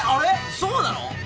そうなの？